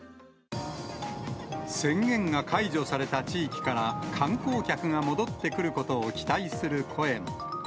宣言が解除された地域から観光客が戻ってくることを期待する声も。